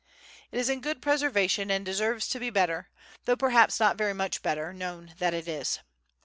It is in good preservation and deserves to be better, though perhaps not very much better, known than it is.